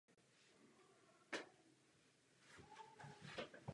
Mount Hubbard je jeden z nejvyšších vrcholů pohoří svatého Eliáše.